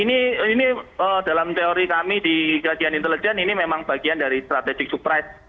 ini dalam teori kami di kajian intelijen ini memang bagian dari strategic surprise